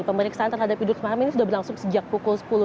pemeriksaan terhadap idrus marham ini sudah berlangsung sejak pukul sepuluh